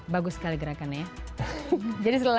bagus sekali gerakannya ya